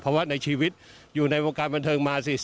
เพราะว่าในชีวิตอยู่ในวงการบันเทิงมา๔๐